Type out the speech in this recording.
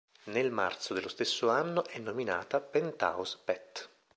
Nel marzo dello stesso anno è nominata Penthouse Pet.